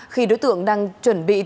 khi đối tượng đang chuẩn bị tiếp tục